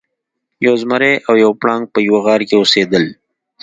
یو زمری او یو پړانګ په یوه غار کې اوسیدل.